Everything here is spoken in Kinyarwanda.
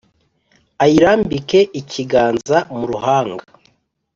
Ayirambike ikiganza mu ruhanga